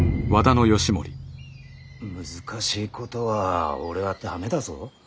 難しいことは俺は駄目だぞ。